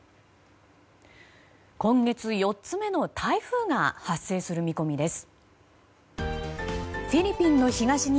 今月４つ目の台風が発生する見込みです。